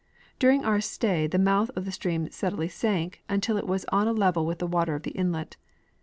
During our stay the mouth of the stream steadily sank, until it was on a level with the water of the inlet.